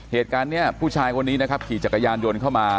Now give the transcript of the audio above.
เหตุการณ์นี้ผู้ชายคนนี้นะครับขี่จักรยานยนต์เข้ามา